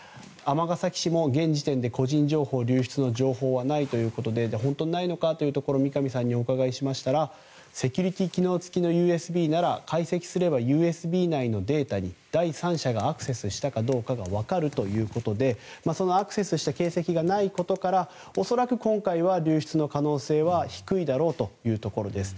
尼崎市も現時点で個人情報流出の情報はないということで本当にないのかというところ三上さんにお伺いするとセキュリティー対策機能付きのＵＳＢなら、解析すればデータに第三者がアクセスしたかどうかが分かるということでそのアクセスした形跡がないことからおそらく今回は流出の可能性は低いだろうということです。